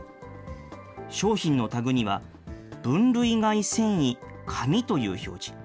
商品のタグには、分類外繊維、紙という表示。